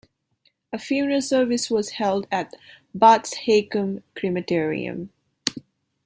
A funeral service was held at Bath's Haycombe Crematorium.